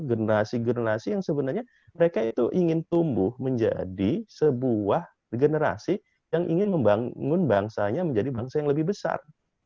generasi generasi yang sebenarnya mereka itu ingin tumbuh menjadi sebuah generasi yang ingin membangun bangsanya menjadi bangsa yang lebih besar